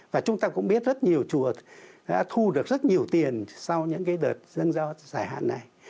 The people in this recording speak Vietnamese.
và chúng ta cũng biết rất nhiều chùa đã thu được rất nhiều tiền sau những cái đợt dân giao giải hạn này